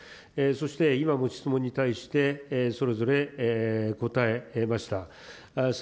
そして、今もご質問に対してそれぞれ答えました。